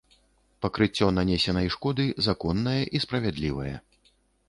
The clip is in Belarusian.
Пакрыццё нанесенай шкоды законнае і справядлівае.